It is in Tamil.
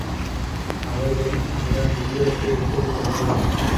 அவர்களும் அந்த மந்திரத்தை உச்சரித்தார்கள்.